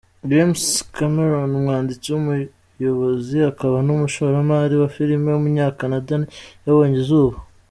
James Cameron, umwanditsi, umuyobozi, akaba n’umushoramari wa filime w’umunyakanada yabonye izuba.